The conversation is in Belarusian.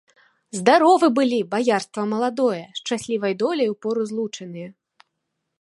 Здаровы былі, баярства маладое, шчаслівай доляй упору злучаныя.